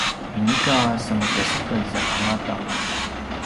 inika semekesekez angata